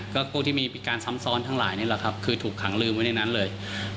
ก็ผู้ที่มีพิการซ้ำซ้อนทั้งหลายนี่แหละครับคือถูกขังลืมไว้ในนั้นเลย